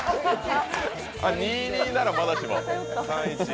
２・２ならまだしも、３・１。